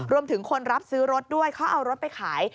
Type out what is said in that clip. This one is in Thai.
รวมถึงคนรับซื้อรถด้วยเขาเอารถไปขาย